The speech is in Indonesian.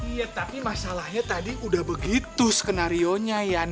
iya tapi masalahnya tadi udah begitu skenario nya ya